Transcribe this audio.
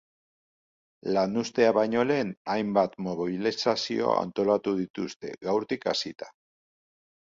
Lanuztea baino lehen, hainbat mobilizazio antolatu dituzte, gaurtik hasita.